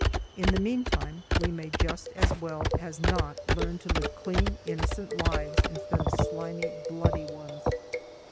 In the mean time we may just as well as not learn to live clean, innocent lives instead of slimy, bloody ones.